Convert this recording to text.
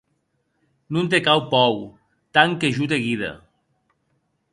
Non te cau pòur, tant que jo te guida.